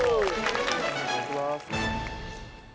いただきます。